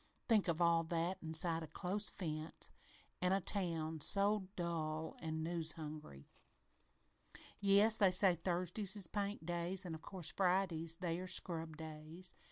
Think of all that inside a close fence, an' a town so dull an' news hungry "Yes, they say Thursdays is paint days, an', of course, Fridays, they are scrub days.